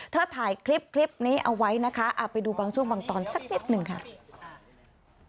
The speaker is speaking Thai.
ถ่ายคลิปนี้เอาไว้นะคะไปดูบางช่วงบางตอนสักนิดหนึ่งค่ะ